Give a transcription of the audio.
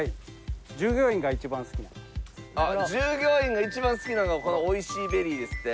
従業員が一番好きなのはこのおいＣベリーですって。